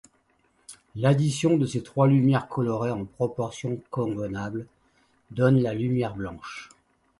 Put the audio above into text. L'addition de ces trois lumières colorées en proportions convenables donne la lumière blanche.